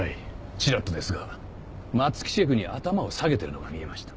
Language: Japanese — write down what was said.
チラッとですが松木シェフに頭を下げてるのが見えました。